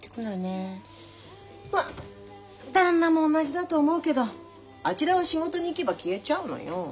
ま旦那も同じだと思うけどあちらは仕事に行けば消えちゃうのよ。